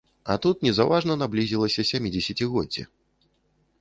А тут незаўважна наблізілася сямідзесяцігоддзе.